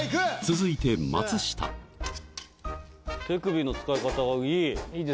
続いて手首の使い方がいい。